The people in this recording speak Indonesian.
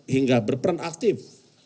hingga berperan aktif